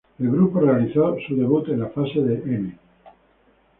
El grupo realizó su debut en la fase de M!